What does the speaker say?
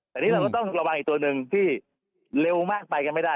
แต่นี่เราก็ต้องระวังอีกตัวหนึ่งที่เร็วมากไปกันไม่ได้